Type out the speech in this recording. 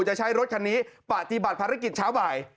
จะใช้รถคันนี้ปฏิบัติภารกิจเช้าบ่าย